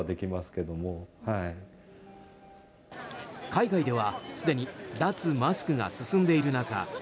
海外ではすでに脱マスクが進んでいる中